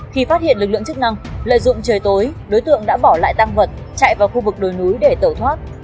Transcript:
khi phát hiện lực lượng chức năng lợi dụng trời tối đối tượng đã bỏ lại tăng vật chạy vào khu vực đồi núi để tẩu thoát